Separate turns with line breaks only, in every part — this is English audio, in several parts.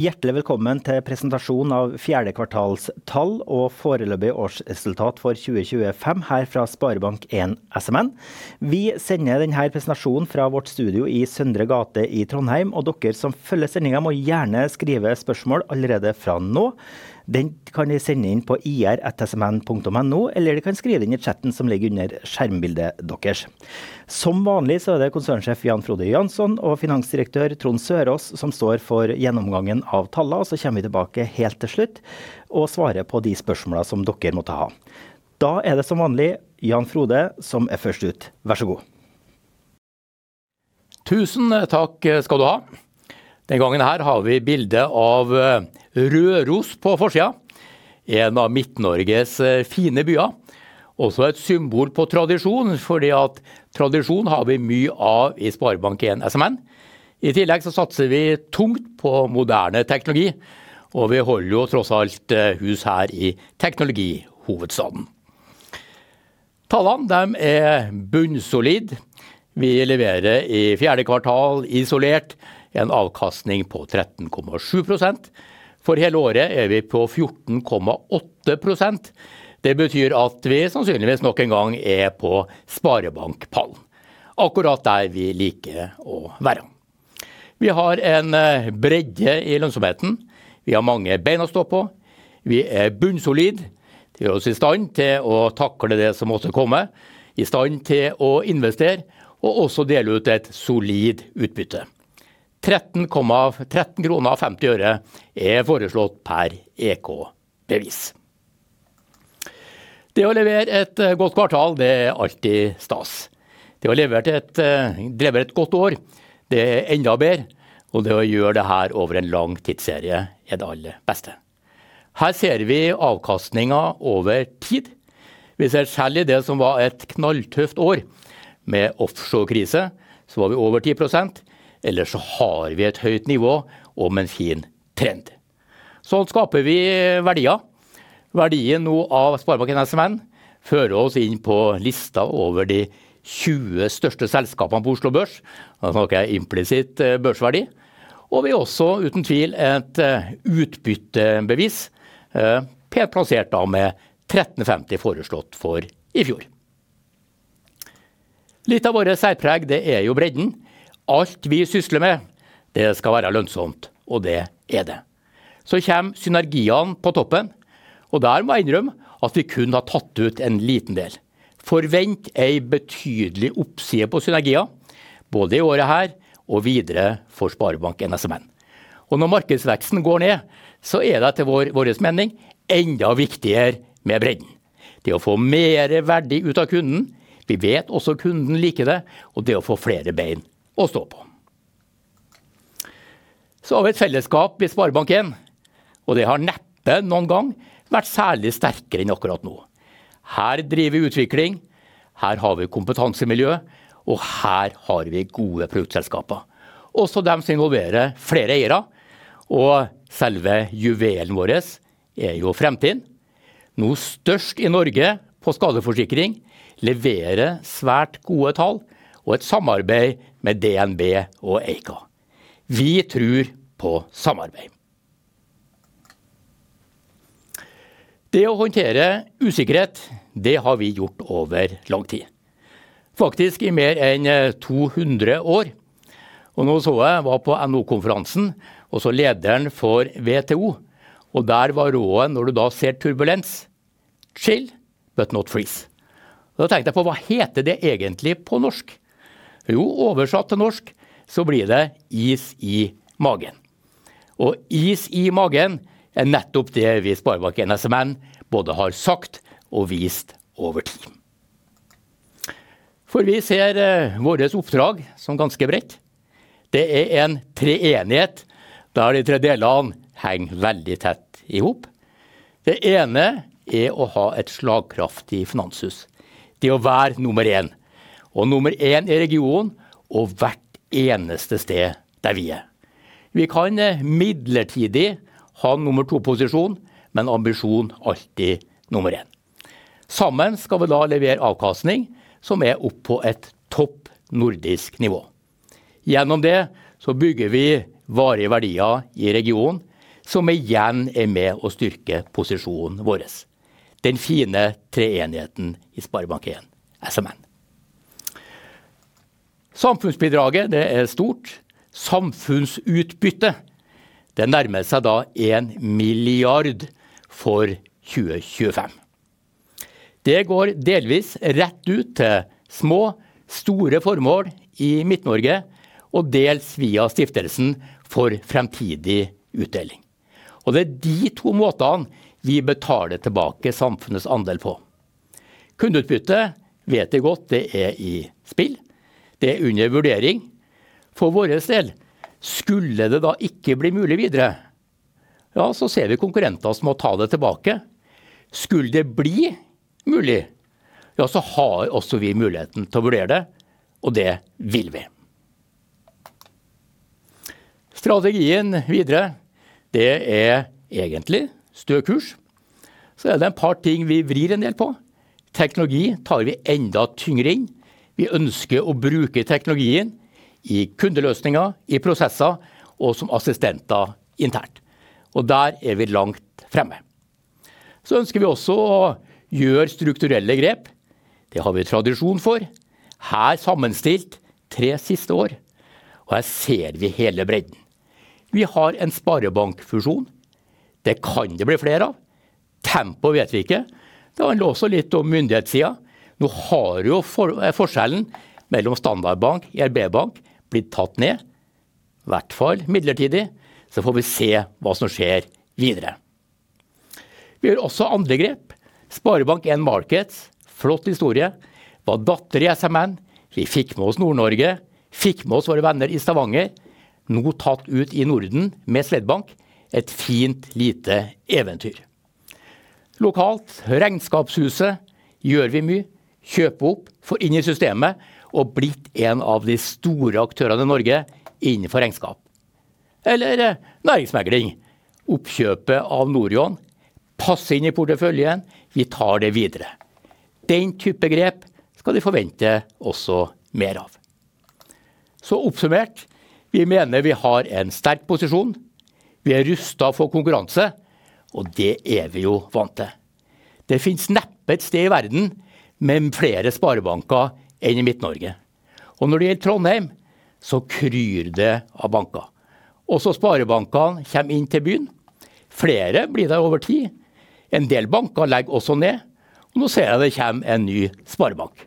Hjertelig velkommen til presentasjonen av fjerde kvartalstall og foreløpig årsresultat for 2025 her fra Sparebank 1 SMN. Vi sender denne presentasjonen fra vårt studio i Søndre Gate i Trondheim, og dere som følger sendingen må gjerne skrive spørsmål allerede fra nå. Den kan dere sende inn på ir@smn.no, eller dere kan skrive det inn i chatten som ligger under skjermbildet deres. Som vanlig så er det konsernsjef Jan Frode Janson og finansdirektør Trond Sørås som står for gjennomgangen av tallene. Vi kommer tilbake helt til slutt og svare på de spørsmålene som dere måtte ha. Da er det som vanlig Jan Frode som er først ut. Vær så snill!
Tusen takk skal du ha! Den gangen her har vi bilde av Røros på forsiden. En av Midt-Norges fine byer. Også et symbol på tradisjon, fordi tradisjon har vi mye av i Sparebank1 SMN. I tillegg så satser vi tungt på moderne teknologi, og vi holder jo tross alt hus her i teknologihovedstaden. Tallene, de er bunnsolid. Vi leverer i fjerde kvartal isolert en avkastning på 13,7%. For hele året er vi på 14,8%. Det betyr at vi sannsynligvis nok en gang er på sparebankpallen. Akkurat der vi liker å være. Vi har en bredde i lønnsomheten. Vi har mange bein å stå på. Vi er bunnsolid, vi er i stand til å takle det som måtte komme. I stand til å investere og også dele ut et solid utbytte. 13,50 kroner er foreslått per EK bevis. Det å levere et godt kvartal, det er alltid stas. Det å levere et godt år, det er enda bedre og det å gjøre det her over en lang tidsserie er det aller beste. Her ser vi avkastningen over tid. Vi ser særlig det som var et knalltøft år med offshore krise, så var vi over 10%. Ellers så har vi et høyt nivå og med en fin trend. Sånn skaper vi verdier. Verdien nå av Sparebanken SMN fører oss inn på lista over de tjue største selskapene på Oslo Børs. Da snakker jeg implisitt børsverdi. Og vi er også uten tvil et utbyttebevis, pent plassert da med NOK 13,50 foreslått for i fjor. Litt av våre særpreg, det er jo bredden. Alt vi sysler med, det skal være lønnsomt, og det er det. Så kommer synergiene på toppen, og der må jeg innrømme at vi kun har tatt ut en liten del. Forvent en betydelig oppside på synergi, både i året her og videre for Sparebanken SMN. Når markedsveksten går ned, så er det etter vår mening enda viktigere med bredden. Det å få mer verdi ut av kunden. Vi vet også kunden liker det og det å få flere bein å stå på. Vi har et fellesskap i Sparebanken, og det har neppe noen gang vært særlig sterkere enn akkurat nå. Her driver vi utvikling. Her har vi kompetansemiljø, og her har vi gode produktselskaper, også de som involverer flere eiere. Selve juvelen våres er jo fremtiden. Nå størst i Norge på skadeforsikring. Leverer svært gode tall og et samarbeid med DNB og Eika. Vi tror på samarbeid. Det å håndtere usikkerhet, det har vi gjort over lang tid, faktisk i mer enn to hundre år. Nå så jeg var på NHO-konferansen, og så lederen for WTO, og der var rådet når du da ser turbulens: "chill, but not freeze". Da tenkte jeg på hva heter det egentlig på norsk? Jo, oversatt til norsk så blir det is i magen. Is i magen er nettopp det vi i SpareBank 1 SMN både har sagt og vist over tid. For vi ser vårt oppdrag som ganske bredt. Det er en treenighet der de tre delene henger veldig tett i hop. Det ene er å ha et slagkraftig finanshus. Det å være nummer én, og nummer én i regionen og hvert eneste sted der vi er. Vi kan midlertidig ha nummer to-posisjon, men ambisjon alltid nummer én. Sammen skal vi da levere avkastning som er opp på et topp nordisk nivå. Gjennom det så bygger vi varige verdier i regionen, som igjen er med å styrke posisjonen vår. Den fine treenigheten i Sparebank 1 SMN. Samfunnsbidraget det er stort. Samfunnsutbytte, det nærmer seg da en milliard for 2025. Det går delvis rett ut til små store formål i Midt-Norge og dels via stiftelsen for fremtidig utdeling. Det er de to måtene vi betaler tilbake samfunnets andel på. Kundeutbyttet vet vi godt det er i spill. Det er under vurdering. For vår del, skulle det da ikke bli mulig videre, så ser vi konkurrenter som må ta det tilbake. Skulle det bli mulig, så har også vi muligheten til å vurdere det. Det vil vi. Strategien videre, det er egentlig stø kurs. Så er det et par ting vi vrir en del på. Teknologi tar vi enda tyngre inn. Vi ønsker å bruke teknologien i kundeløsninger, i prosesser og som assistenter internt. Der er vi langt fremme. Vi ønsker også å gjøre strukturelle grep. Det har vi tradisjon for. Her sammenstilt tre siste år, og her ser vi hele bredden. Vi har en sparebankfusjon. Det kan det bli flere av. Tempoet vet vi ikke. Det handler også litt om myndighetssiden. Nå har forskjellen mellom standardbank og RB bank blitt tatt ned, i hvert fall midlertidig, så får vi se hva som skjer videre. Vi gjør også andre grep. Sparebank 1 Markets. Flott historie, var datter i SMN. Vi fikk med oss Nord-Norge. Fikk med oss våre venner i Stavanger, nå tatt ut i Norden med Sled Bank. Et fint lite eventyr. Lokalt regnskapshuset gjør vi mye. Kjøpe opp, få inn i systemet og blitt en av de store aktørene i Norge innenfor regnskap eller næringsmegling. Oppkjøpet av Norion passer inn i porteføljen. Vi tar det videre. Den type grep skal de forvente også mer av. Så oppsummert: vi mener vi har en sterk posisjon. Vi er rustet for konkurranse, og det er vi jo vant til. Det finnes neppe et sted i verden med flere sparebanker enn i Midt-Norge. Når det gjelder Trondheim, så kryr det av banker, og så sparebankene kommer inn til byen. Flere blir det over tid. En del banker legger også ned, og nå ser jeg det kommer en ny sparebank.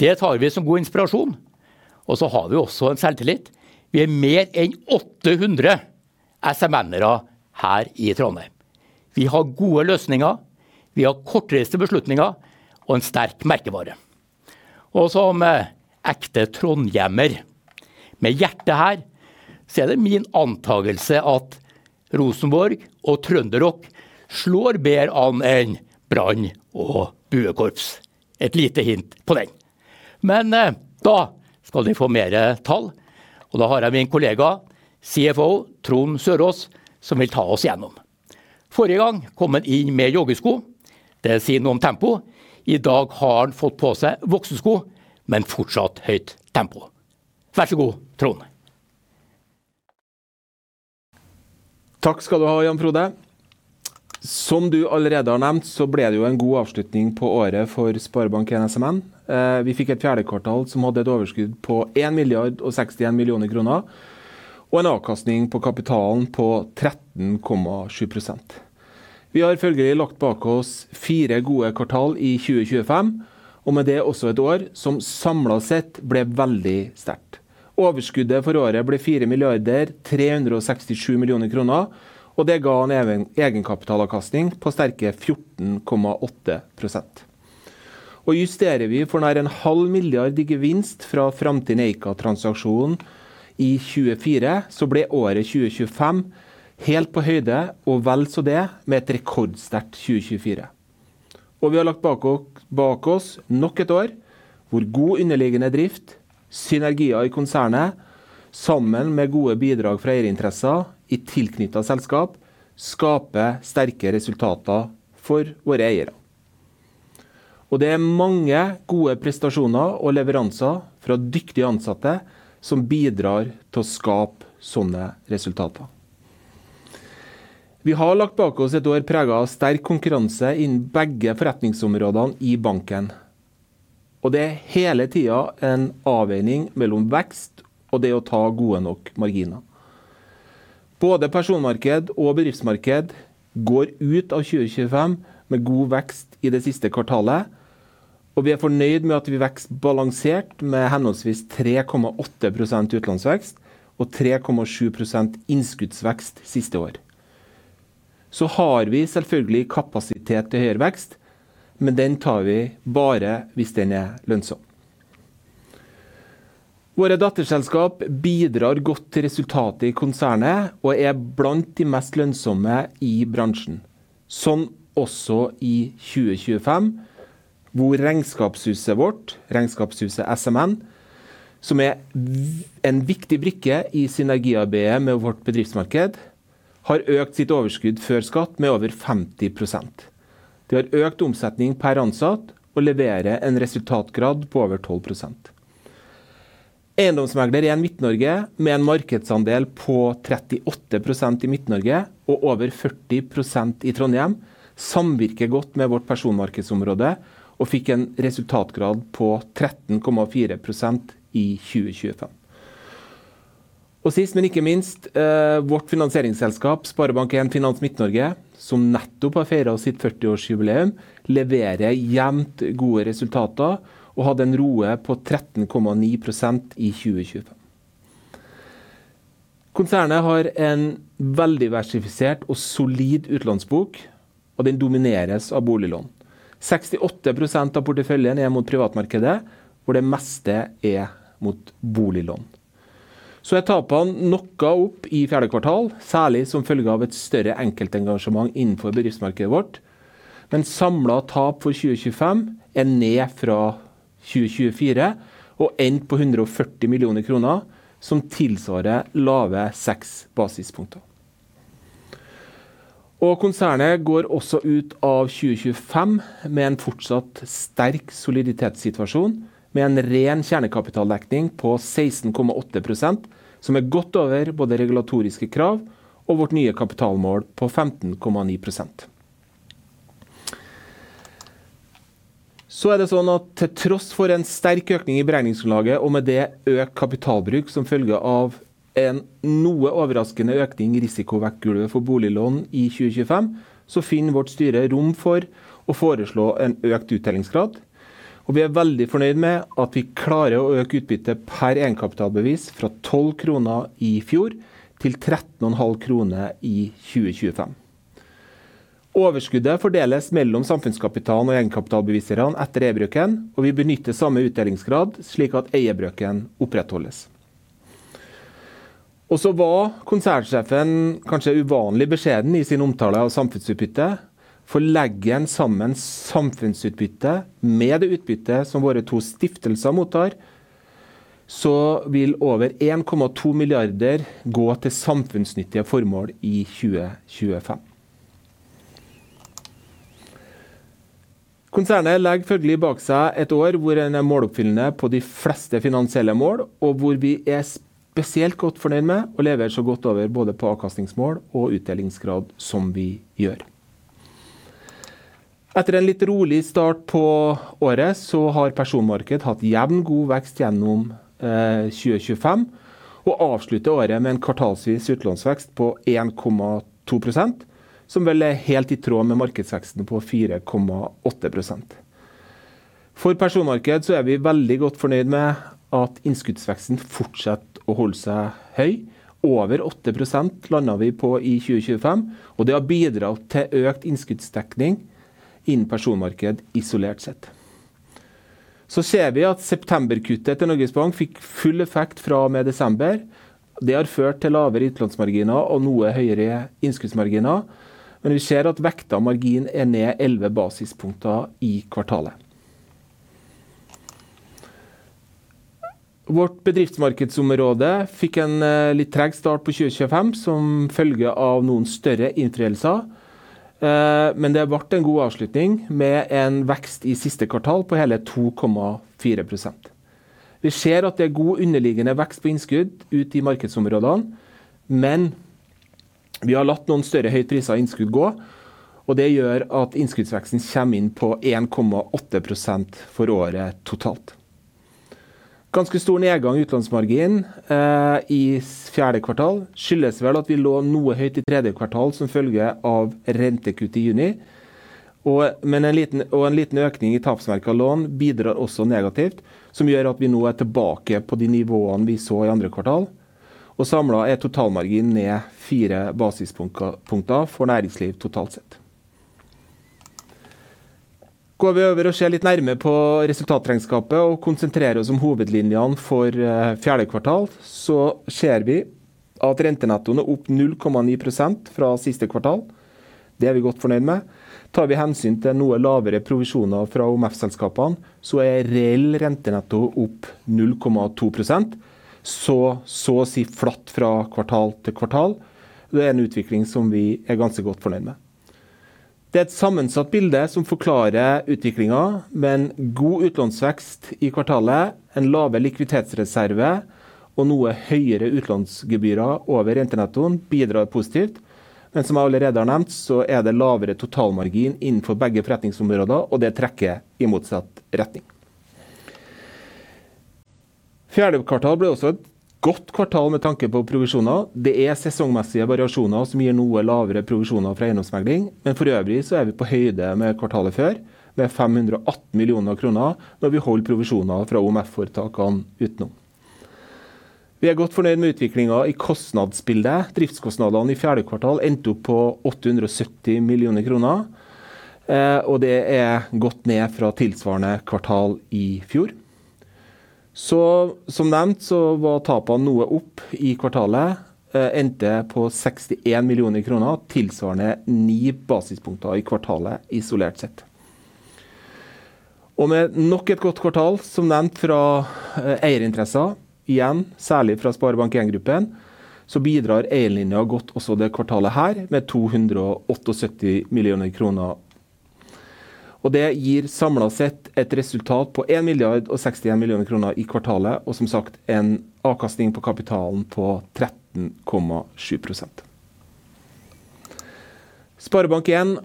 Det tar vi som god inspirasjon. Vi har også en selvtillit. Vi er mer enn åtte hundre SMNere her i Trondheim. Vi har gode løsninger. Vi har korteste beslutninger og en sterk merkevare. Og så som ekte trondhiemer med hjertet her, så er det min antakelse at Rosenborg og Trønderrock slår bedre enn Brann og Buekorps. Et lite hint på den. Men da skal vi få mer tall, og da har jeg min kollega CFO Trond Sørås, som vil ta oss gjennom. Forrige gang kom han inn med joggesko. Det sier noe om tempo. I dag har han fått på seg voksesko, men fortsatt høyt tempo. Vær så snill, Trond.
Takk skal du ha, Jan Frode. Som du allerede har nevnt så ble det jo en god avslutning på året for Sparebank 1 SMN. Vi fikk et fjerde kvartal som hadde et overskudd på 1,016 millioner kroner, og en avkastning på kapitalen på 13,7%. Vi har følgelig lagt bak oss fire gode kvartal i 2025, og med det også et år som samlet sett ble veldig sterkt. Overskuddet for året ble 4,367 millioner kroner, og det ga en egenkapitalavkastning på sterke 14,8%. Justerer vi for nær en halv milliard i gevinst fra Framtiden ICA-transaksjonen i 2024, så ble året 2025 helt på høyde og vel så det med et rekordsterkt 2024. Og vi har lagt bak oss nok et år, hvor god underliggende drift, synergier i konsernet sammen med gode bidrag fra eierinteresser i tilknyttede selskap, skaper sterke resultater for våre eiere. Og det er mange gode prestasjoner og leveranser fra dyktige ansatte som bidrar til å skape sånne resultater. Vi har lagt bak oss et år preget av sterk konkurranse innen begge forretningsområdene i banken, og det er hele tiden en avveining mellom vekst og det å ta gode nok marginer. Både personmarked og bedriftsmarked går ut av 2025 med god vekst i det siste kvartalet. Og vi er fornøyd med at vi vokser balansert med henholdsvis 3,8% utlånsvekst og 3,7% innskuddsvekst siste år. Så har vi selvfølgelig kapasitet til høyere vekst, men den tar vi bare hvis den er lønnsom. Våre datterselskap bidrar godt til resultatet i konsernet og er blant de mest lønnsomme i bransjen. Sånn også i 2025, hvor regnskapshuset vårt, Regnskapshuset SMN, som er en viktig brikke i synergiarbeidet med vårt bedriftsmarked, har økt sitt overskudd før skatt med over 50%. Det har økt omsetning per ansatt og leverer en resultatgrad på over 12%. Eiendomsmegler i Midt-Norge, med en markedsandel på 38% i Midt-Norge og over 40% i Trondheim, samvirker godt med vårt personmarkedsområde og fikk en resultatgrad på 13,4% i 2025. Og sist, men ikke minst vårt finansieringsselskap, Sparebank 1 Finans Midt-Norge, som nettopp har feiret sitt 40 års jubileum, leverer jevnt gode resultater og hadde en ROE på 13,9% i 2025. Konsernet har en veldig diversifisert og solid utlånsbok, og den domineres av boliglån. Sekstiseks prosent av porteføljen er mot privatmarkedet, hvor det meste er mot boliglån. Så er tapene nok opp i fjerde kvartal, særlig som følge av et større enkeltengasjement innenfor bedriftsmarkedet vårt. Men samlet tap for 2025 er ned fra 2024, og endt på 140 millioner kroner, som tilsvarer lave seks basispunkter. Konsernet går også ut av 2025 med en fortsatt sterk soliditetssituasjon, med en ren kjernekapitaldekning på 16,8%, som er godt over både regulatoriske krav og vårt nye kapitalmål på 15,9%. Til tross for en sterk økning i beregningsgrunnlaget og med det økt kapitalbruk som følge av en noe overraskende økning i risikovektgulvet for boliglån i 2025, så finner vårt styre rom for å foreslå en økt utdelingsgrad. Vi er veldig fornøyd med at vi klarer å øke utbyttet per egenkapitalbevis fra 12 kroner i fjor til 13,5 kroner i 2025. Overskuddet fordeles mellom samfunnskapitalen og egenkapitalbevis etter eierbrøken, og vi benytter samme utdelingsgrad slik at eierbrøken opprettholdes. Konsernsjefen var kanskje uvanlig beskjeden i sin omtale av samfunnsutbytte. Legger en sammen samfunnsutbytte med det utbyttet som våre to stiftelser mottar, så vil over 1,2 milliarder kroner gå til samfunnsnyttige formål i 2025. Konsernet legger følgelig bak seg et år hvor en er måloppfyllende på de fleste finansielle mål, og hvor vi er spesielt godt fornøyd med å levere så godt over både på avkastningsmål og utdelingsgrad som vi gjør. Etter en litt rolig start på året så har personmarkedet hatt jevn god vekst gjennom 2025, og avslutter året med en kvartalsvis utlånsvekst på 1,2%, som vel er helt i tråd med markedsveksten på 4,8%. For personmarked så er vi veldig godt fornøyd med at innskuddsveksten fortsetter å holde seg høy. Over 8% landet vi på i 2025, og det har bidratt til økt innskuddsdekning innen personmarked isolert sett. Så ser vi at septemberkuttet til Norges Bank fikk full effekt fra og med desember. Det har ført til lavere utlånsmarginer og noe høyere innskuddsmarginer. Men vi ser at vektet margin er ned 11 basispunkter i kvartalet. Vårt bedriftsmarkedsområde fikk en litt treg start på 2025, som følge av noen større inntreffelser. Men det ble en god avslutning med en vekst i siste kvartal på hele 2,4%. Vi ser at det er god underliggende vekst på innskudd ut i markedsområdene, men vi har latt noen større høyt priset innskudd gå, og det gjør at innskuddsveksten kommer inn på 1,8% for året totalt. Ganske stor nedgang i utlånsmarginen i fjerde kvartal. Skyldes vel at vi lå noe høyt i tredje kvartal som følge av rentekutt i juni, og en liten økning i tapsverk av lån bidrar også negativt, som gjør at vi nå er tilbake på de nivåene vi så i andre kvartal. Samlet er totalmarginen ned fire basispunkter for næringsliv totalt sett. Går vi over og ser litt nærmere på resultatregnskapet og konsentrerer oss om hovedlinjene for fjerde kvartal, så ser vi at rentenettoen er opp 0,9% fra siste kvartal. Det er vi godt fornøyd med. Tar vi hensyn til noe lavere provisjoner fra OMF-selskapene, så er reell rentenetto opp 0,2%, så så og si flatt fra kvartal til kvartal. Det er en utvikling som vi er ganske godt fornøyd med. Det er et sammensatt bilde som forklarer utviklingen. Men god utlånsvekst i kvartalet, en lavere likviditetsreserve og noe høyere utlånsgebyrer over rentenettoen bidrar positivt. Men som jeg allerede har nevnt, så er det lavere totalmargin innenfor begge forretningsområder, og det trekker i motsatt retning. Fjerde kvartal ble også et godt kvartal med tanke på provisjoner. Det er sesongmessige variasjoner som gir noe lavere provisjoner fra eiendomsmegling, men forøvrig så er vi på høyde med kvartalet før, med 518 millioner kroner når vi holder provisjoner fra OMF foretakene utenom. Vi er godt fornøyd med utviklingen i kostnadsbildet. Driftskostnadene i fjerde kvartal endte opp på 870 millioner kroner, og det er godt ned fra tilsvarende kvartal i fjor. Som nevnt så var tapene noe opp i kvartalet, endte på 61 millioner kroner, tilsvarende 9 basispunkter i kvartalet isolert sett. Med nok et godt kvartal som nevnt fra eierinteresser, igjen, særlig fra Sparebank 1 Gruppen, så bidrar eierlinja godt også det kvartalet her med 278 millioner kroner. Og det gir samlet sett et resultat på en milliard og sekstien millioner kroner i kvartalet, og som sagt en avkastning på kapitalen på 13,7%. Sparebank 1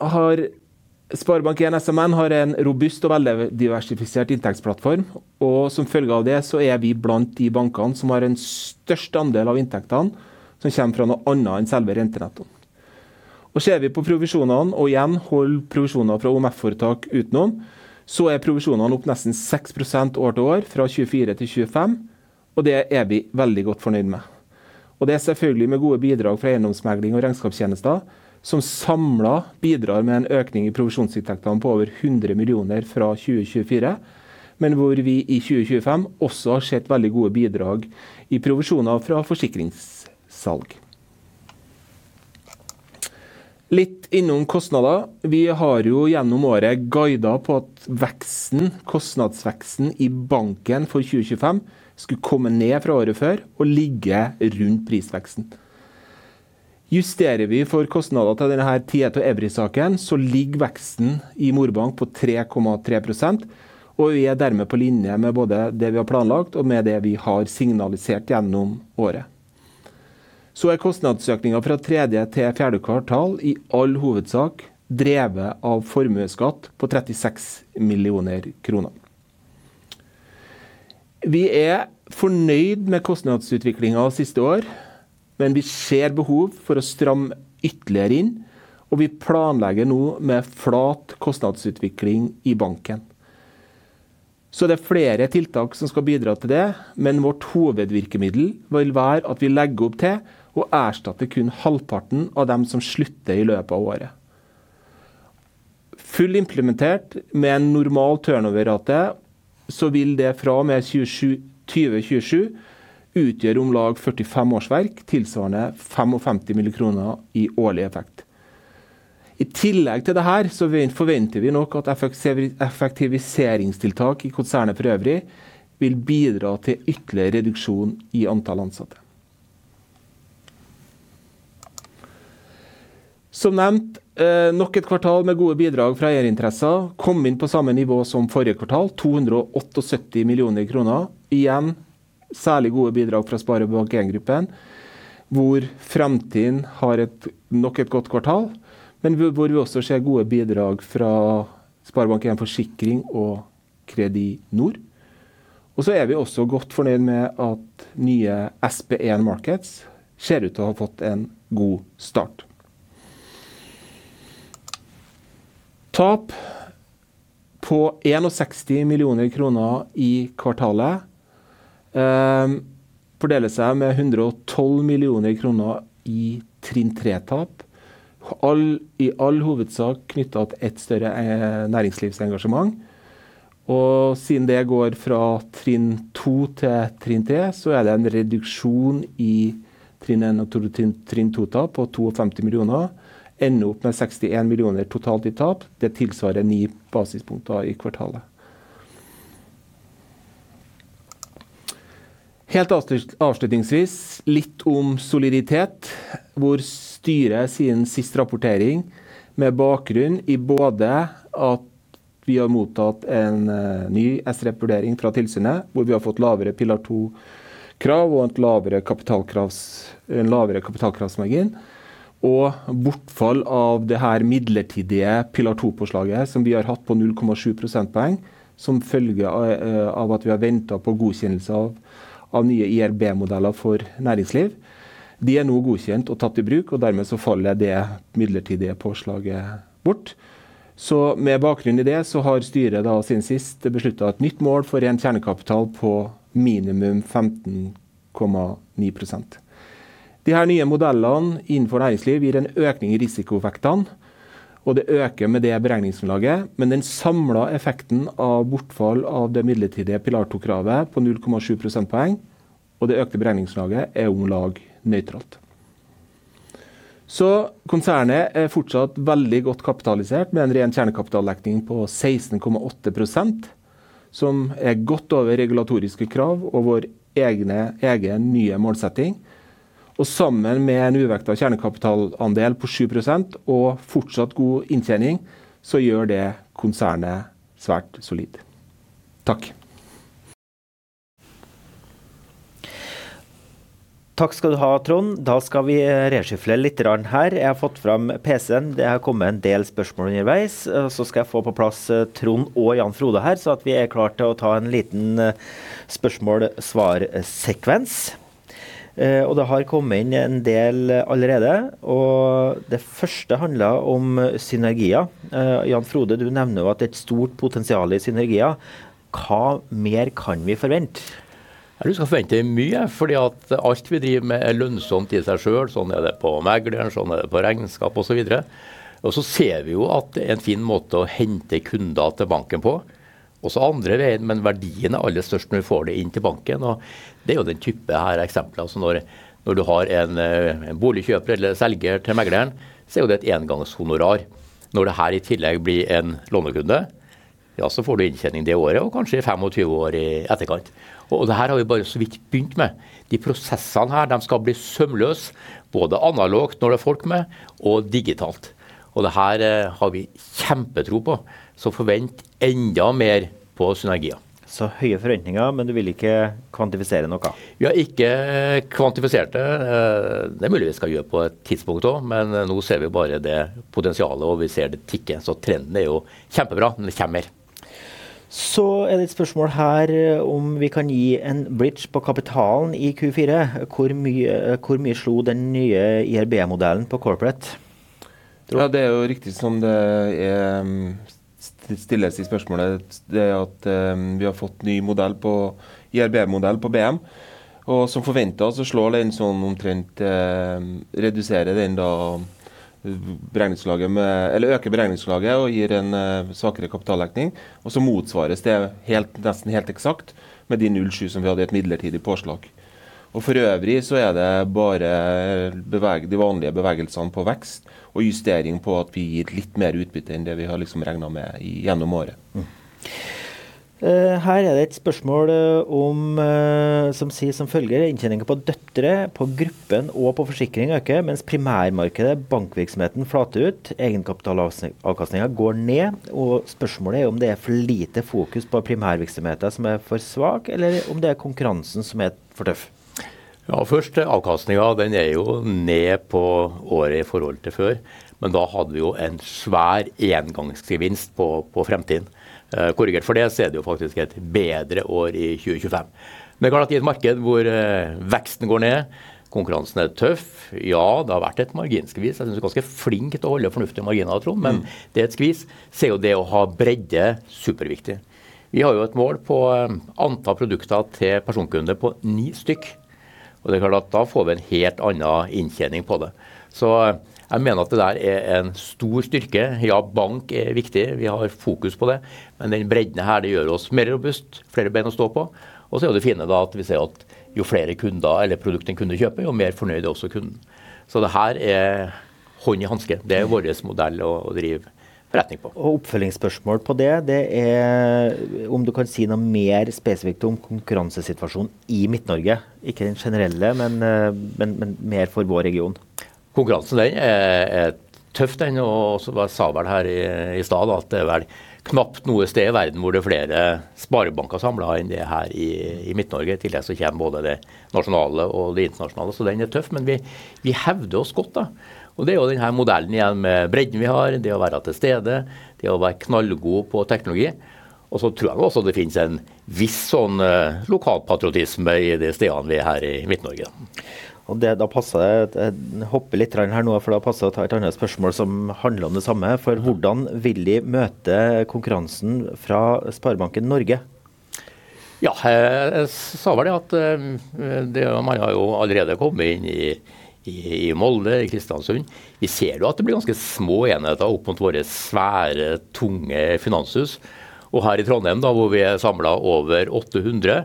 SMN har en robust og vel diversifisert inntektsplattform, og som følge av det så er vi blant de bankene som har en størst andel av inntektene som kommer fra noe annet enn selve rentenetto. Og ser vi på provisjonene og igjen hold provisjoner fra OMF foretak utenom, så er provisjonene opp nesten 6% år til år fra 2024 til 2025. Og det er vi veldig godt fornøyd med. Og det er selvfølgelig med gode bidrag fra eiendomsmegling og regnskapstjenester, som samlet bidrar med en økning i provisjonsinntektene på over hundre millioner fra 2024. Men hvor vi i 2025 også har sett veldig gode bidrag i provisjoner fra forsikringssalg. Litt innom kostnader. Vi har jo gjennom året guidet på at veksten, kostnadsveksten i banken for 2025 skulle komme ned fra året før og ligge rundt prisveksten. Justerer vi for kostnader til denne Tieto Evry-saken, så ligger veksten i Mor Bank på 3,3%, og vi er dermed på linje med både det vi har planlagt og med det vi har signalisert gjennom året. Kostnadsøkningen fra tredje til fjerde kvartal er i all hovedsak drevet av formuesskatt på 36 millioner kroner. Vi er fornøyd med kostnadsutviklingen siste år, men vi ser behov for å stramme ytterligere inn, og vi planlegger nå med flat kostnadsutvikling i banken. Det er flere tiltak som skal bidra til det. Men vårt hovedvirkemiddel vil være at vi legger opp til å erstatte kun halvparten av de som slutter i løpet av året. Full implementert med en normal turnoverrate, så vil det fra og med 2027 utgjøre om lag 45 årsverk, tilsvarende 55 millioner kroner i årlig effekt. I tillegg til det her så forventer vi nok at effektiviseringstiltak i konsernet for øvrig vil bidra til ytterligere reduksjon i antall ansatte. Som nevnt, nok et kvartal med gode bidrag fra eierinteresser kom inn på samme nivå som forrige kvartal, NOK 270 millioner. Igjen, særlig gode bidrag fra SpareBank 1 Gruppen, hvor Fremtiden har et nok et godt kvartal, men hvor vi også ser gode bidrag fra SpareBank 1 Forsikring og Kredinor. Vi er også godt fornøyd med at nye SP 1 Markets ser ut til å ha fått en god start. Tap på 61 millioner kroner i kvartalet fordeler seg med NOK 112 millioner i trinn tre tap. Alt i hovedsak knyttet til et større næringslivsengasjement. Og siden det går fra trinn to til trinn tre, så er det en reduksjon i trinn en og to, trinn to tap på 250 millioner. Ender opp med 16 millioner totalt i tap. Det tilsvarer ni basispoeng i kvartalet. Helt avslutningsvis litt om soliditet, hvor styret siden sist rapportering med bakgrunn i både at vi har mottatt en ny SREP-vurdering fra tilsynet, hvor vi har fått lavere pilar to-krav og et lavere kapitalkrav, en lavere kapitalkravsmargin og bortfall av det midlertidige pilar to-påslaget som vi har hatt på 0,7 prosentpoeng som følge av at vi har ventet på godkjennelse av nye IRB-modeller for næringsliv. De er nå godkjent og tatt i bruk, og dermed så faller det midlertidige påslaget bort. Med bakgrunn i det har styret siden sist besluttet et nytt mål for ren kjernekapital på minimum 15,9%. De nye modellene innenfor næringsliv gir en økning i risikovekten, og det øker beregningsgrunnlaget. Men den samlede effekten av bortfall av det midlertidige pilar to-kravet på 0,7 prosentpoeng og det økte beregningsgrunnlaget er omtrent nøytralt. Konsernet er fortsatt veldig godt kapitalisert med en ren kjernekapitaldekning på 16,8%, som er godt over regulatoriske krav og vår egen nye målsetting. Sammen med en uvektet kjernekapitalandel på 7% og fortsatt god inntjening gjør det konsernet svært solid. Takk!
Takk skal du ha, Trond! Da skal vi reshuffle litt rundt her. Jeg har fått fram PC-en. Det har kommet en del spørsmål underveis, så skal jeg få på plass Trond og Jan Frode her, så at vi er klar til å ta en liten spørsmål-svar sekvens. Og det har kommet inn en del allerede, og det første handler om synergier. Jan Frode, du nevner jo at et stort potensiale i synergier. Hva mer kan vi forvente?
Ja, du skal forvente mye, fordi alt vi driver med er lønnsomt i seg selv. Sånn er det på megleren, sånn er det på regnskap og så videre. Og så ser vi jo at det er en fin måte å hente kunder til banken på. Også andre veien, men verdien er aller størst når vi får det inn til banken. Og det er jo den type eksempler som når du har en boligkjøper eller selger til megleren, så er jo det et engangshonorar. Når det i tillegg blir en lånekunde, ja, så får du inntjening det året og kanskje i tjuefem år i etterkant. Og det har vi bare så vidt begynt med. De prosessene skal bli sømløse, både analogt når det er folk med og digitalt. Og det har vi kjempetro på. Så forvent enda mer på synergier.
Så høye forventninger, men du vil ikke kvantifisere noe av det?
Vi har ikke kvantifisert det. Det er mulig vi skal gjøre det på et tidspunkt også, men nå ser vi bare det potensialet, og vi ser det tikke. Så trenden er jo kjempebra, men det kommer mer.
Så er det et spørsmål her om vi kan gi en bridge på kapitalen i Q4. Hvor mye slo den nye IRB-modellen på corporate?
Ja, det er jo riktig som det er stilt i spørsmålet. Det at vi har fått ny modell på IRB-modell på BM, og som forventet så slår det inn sånn omtrent, reduserer den da beregningsgrunnlaget med eller øker beregningsgrunnlaget og gir en svakere kapitaldekning. Og så motsvares det helt, nesten helt eksakt med de 0.7% som vi hadde i et midlertidig påslag. Og forøvrig så er det bare bevegelse, de vanlige bevegelsene på vekst og justering på at vi gir litt mer utbytte enn det vi har regnet med i gjennom året.
Her er det et spørsmål som sier som følger: Inntjeningen på døtre, på gruppen og på forsikring øker, mens primærmarkedet bankvirksomheten flater ut. Egenkapitalavkastningen går ned, og spørsmålet er jo om det er for lite fokus på primærvirksomheten som er for svak, eller om det er konkurransen som er for tøff?
Ja, først avkastningen. Den er jo ned på året i forhold til før. Men da hadde vi jo en svær engangsgevinst på fremtiden. Korrigert for det, så er det jo faktisk et bedre år i 2025. Det er klart at i et marked hvor veksten går ned, konkurransen er tøff. Det har vært et marginskvis. Jeg synes vi er ganske flinke til å holde fornuftige marginer, Trond, men det er et skvis. Så er jo det å ha bredde superviktig. Vi har jo et mål på antall produkter til personkunder på ni stykk, og det er klart at da får vi en helt annen inntjening på det. Så jeg mener at det der er en stor styrke. Bank er viktig. Vi har fokus på det. Men den bredden her, det gjør oss mer robust. Flere ben å stå på. Og så er det fine da, at vi ser at jo flere kunder eller produkter en kunde kjøper, jo mer fornøyd er også kunden. Så det her er hånd i hanske. Det er vår modell å drive forretning på.
Og oppfølgingsspørsmål på det. Det er om du kan si noe mer spesifikt om konkurransesituasjonen i Midt-Norge? Ikke den generelle, men mer for vår region.
Konkurransen den er tøff den. Og så sa vel her i stad at det er vel knapt noe sted i verden hvor det er flere sparebanker samlet enn det her i Midt-Norge. I tillegg så kommer både det nasjonale og det internasjonale, så den er tøff. Men vi, vi hevder oss godt da. Og det er jo den her modellen igjen med bredden vi har. Det å være til stede. Det å være knallgod på teknologi. Og så tror jeg også det finnes en viss sånn lokalpatriotisme i de stedene vi er her i Midt-Norge.
Og det da passer det å hoppe litt her nå, for da passer å ta et annet spørsmål som handler om det samme. For hvordan vil de møte konkurransen fra Sparebanken Norge?
Ja, jeg sa var det at det man har jo allerede kommet inn i Molde, i Kristiansund. Vi ser jo at det blir ganske små enheter opp mot våre svære, tunge finanshus. Og her i Trondheim da, hvor vi er samlet over åtte hundre,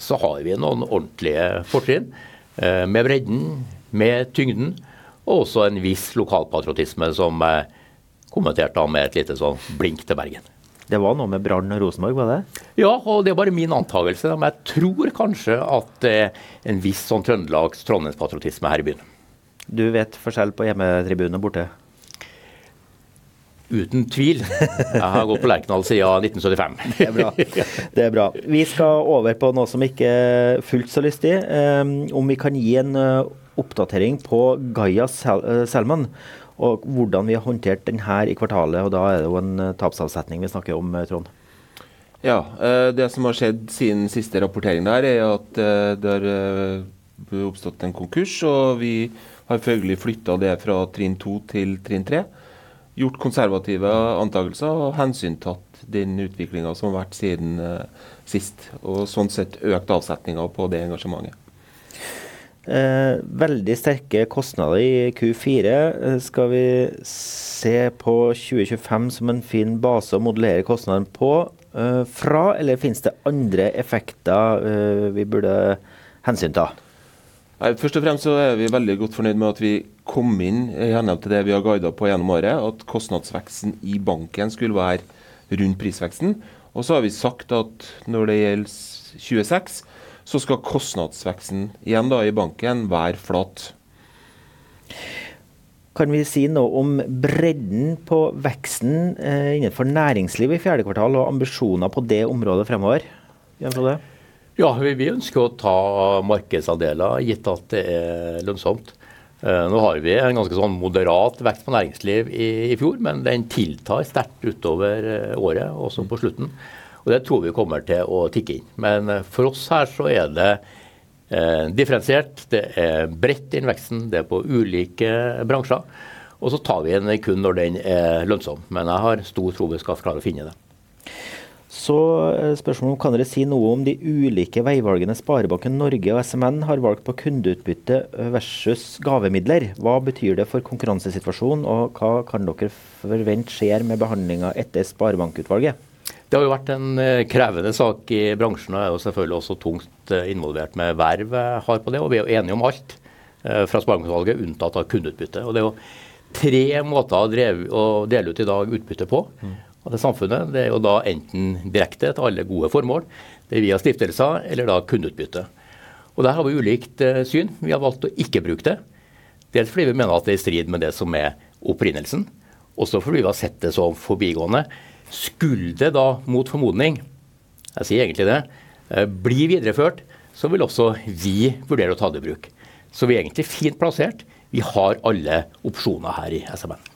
så har vi noen ordentlige fortrinn med bredden, med tyngden og også en viss lokalpatriotisme som kommenterte da med et lite sånn blink til Bergen.
Det var noe med Brann og Rosenborg, var det det?
Ja, og det er bare min antakelse, men jeg tror kanskje at en viss sånn Trøndelag Trondheims patriotisme her i byen.
Du vet forskjell på hjemmetribunen og borte?
Uten tvil. Jeg har gått på Lerkendal siden 1975.
Det er bra. Det er bra. Vi skal over på noe som ikke er fullt så lystig. Om vi kan gi en oppdatering på Gaia Salmon og hvordan vi har håndtert den her i kvartalet. Og da er det jo en tapsavsetning vi snakker om, Trond.
Ja, det som har skjedd siden siste rapportering der er at det har oppstått en konkurs, og vi har følgelig flyttet det fra trinn to til trinn tre. Gjort konservative antakelser og hensyntatt den utviklingen som har vært siden sist, og sånn sett økt avsetningen på det engasjementet.
Eh, veldig sterke kostnader i Q4. Skal vi se på 2025 som en fin base å modellere kostnaden på fra? Eller finnes det andre effekter vi burde hensynta?
Nei, først og fremst så er vi veldig godt fornøyd med at vi kom inn i henhold til det vi har guidet på gjennom året, at kostnadsveksten i banken skulle være rundt prisveksten. Og så har vi sagt at når det gjelder tjueseks, så skal kostnadsveksten igjen da i banken være flat.
Kan vi si noe om bredden på veksten innenfor næringsliv i fjerde kvartal og ambisjoner på det området fremover? Jan-Åge.
Ja, vi ønsker å ta markedsandeler, gitt at det er lønnsomt. Nå har vi en ganske moderat vekst på næringsliv i fjor, men den tiltar sterkt utover året og også på slutten. Det tror vi kommer til å tikke inn. Men for oss her så er det differensiert. Det er bredt i veksten. Det er på ulike bransjer, og så tar vi den kun når den er lønnsom. Men jeg har stor tro på at vi skal klare å finne det.
Så spørsmålet om kan dere si noe om de ulike veivalgene Sparebanken Norge og SMN har valgt på kundeutbytte versus gavemidler? Hva betyr det for konkurransesituasjonen, og hva kan dere forvente skjer med behandlingen etter Sparebankutvalget?
Det har jo vært en krevende sak i bransjen, og er jo selvfølgelig også tungt involvert med verv har på det. Vi er enige om alt fra sparebankutvalget, unntatt av kundeutbytte. Det er jo tre måter å drive å dele ut i dag utbytte på, og det samfunnet det er jo da enten direkte til alle gode formål, det via stiftelser eller da kundeutbytte. Der har vi ulikt syn. Vi har valgt å ikke bruke det. Dels fordi vi mener at det er i strid med det som er opprinnelsen, og så fordi vi har sett det som forbigående. Skulle det da mot formodning, jeg sier egentlig det, bli videreført, så vil også vi vurdere å ta det i bruk. Vi er egentlig fint plassert. Vi har alle opsjoner her i SMN.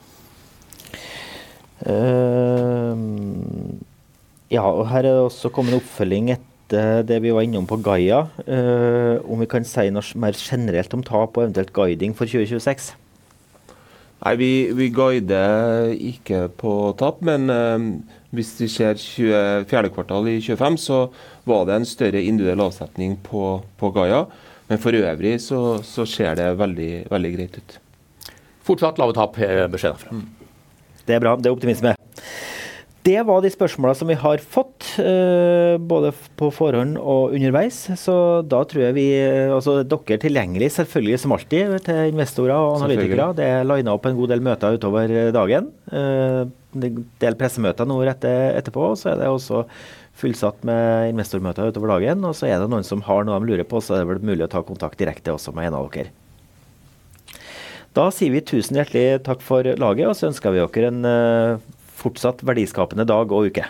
Ja, og her er også kommet en oppfølging etter det vi var innom på Gaia. Om vi kan si noe mer generelt om tap og eventuelt guiding for 2026?
Nei, vi guider ikke på tap. Men hvis det skjer i fjerde kvartal i tjuefem så var det en større individuell avsetning på Gaia. Men for øvrig så ser det veldig, veldig greit ut.
Fortsatt lave tap fremover.
Det er bra. Det er optimisme. Det var de spørsmålene som vi har fått, både på forhånd og underveis. Så da tror jeg vi, altså dere er tilgjengelig selvfølgelig som alltid til investorer og analytikere.
Selvfølgelig.
Det er linet opp en god del møter utover dagen. En del pressemøter nå etterpå. Så er det også fullsatt med investormøter utover dagen. Og så er det noen som har noe de lurer på, så det er mulig å ta kontakt direkte også med en av dere. Da sier vi tusen hjertelig takk for laget, og så ønsker vi dere en fortsatt verdiskapende dag og uke!